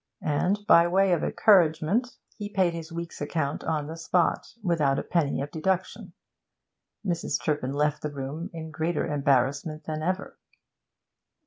And, by way of encouragement, he paid his week's account on the spot, without a penny of deduction. Mrs. Turpin left the room in greater embarrassment than ever.